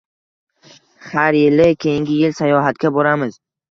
- Har yili keyingi yil sayohatga boramiz!